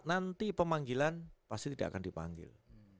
nanti pemanggilan pasti tidak akan dipanggil